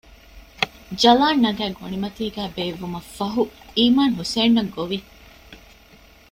ޖަލާން ނަގައި ގޮޑިމަތީގައި ބޭއްވުމަށްފަހު އީމާން ހުސެންއަށް ގޮވި